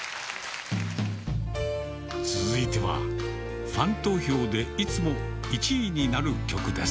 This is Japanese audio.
続いては、ファン投票でいつも１位になる曲です。